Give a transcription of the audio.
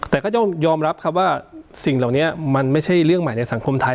แต่ก็ต้องยอมรับครับว่าสิ่งเหล่านี้มันไม่ใช่เรื่องใหม่ในสังคมไทย